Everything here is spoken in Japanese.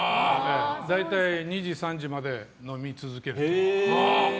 大体２時、３時まで飲み続ける。